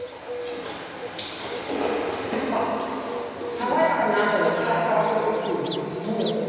何か爽やかなあとに辛さがくる。